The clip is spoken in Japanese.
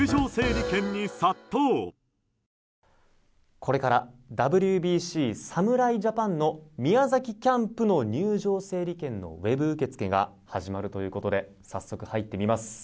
これからＷＢＣ侍ジャパンの宮崎キャンプの入場整理券のウェブ受け付けが始まるということで早速、入ってみます。